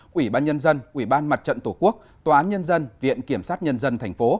quỹ ban nhân dân quỹ ban mặt trận tổ quốc tòa án nhân dân viện kiểm sát nhân dân tp